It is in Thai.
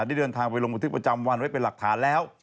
ได้เดินทางไปลงบันทึกประจำวันไว้เป็นหลักฐานแล้ว